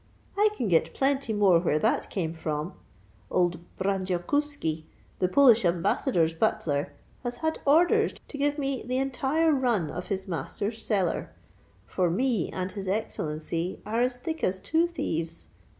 "I can get plenty more where that came from. Old Brandyokouski, the Polish Ambassador's butler, has had orders to give me the entire run of his master's cellar; for me and his Excellency are as thick as two thieves.